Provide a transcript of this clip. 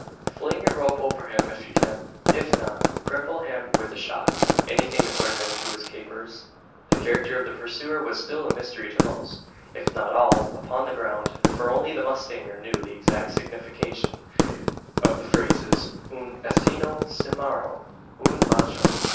"Fling your rope over him, if you can. If not, cripple him with a shot anything to put an end to his capers." The character of the pursuer was still a mystery to most, if not all, upon the ground: for only the mustanger knew the exact signification of the phrases "un asino cimmaron," "un macho."